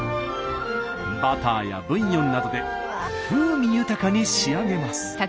バターやブイヨンなどで風味豊かに仕上げます。